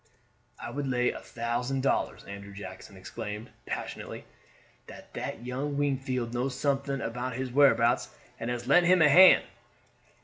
"I would lay a thousand dollars," Andrew Jackson exclaimed passionately, "that young Wingfield knows something about his whereabouts, and has lent him a hand!"